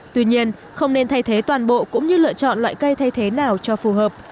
tuy nhiên không nên thay thế toàn bộ cũng như lựa chọn loại cây thay thế nào cho phù hợp